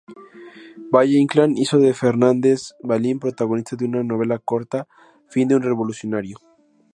Valle-Inclán hizo de Fernández Vallín protagonista de una novela corta: "Fin de un revolucionario.